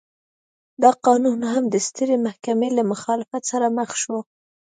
دا قانون هم د سترې محکمې له مخالفت سره مخ شو.